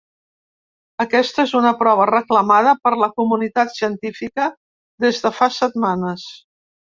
Aquesta és una prova reclamada per la comunitat científica des de fa setmanes.